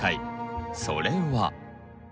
それは。